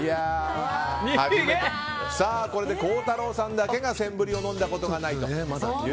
これで孝太郎さんだけがセンブリを飲んだことがないと。